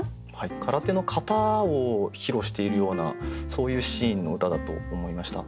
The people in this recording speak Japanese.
空手の形を披露しているようなそういうシーンの歌だと思いました。